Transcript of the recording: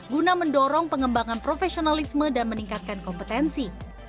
guna mendorong pengembangan profesionalisme dan meningkatkan kompetensi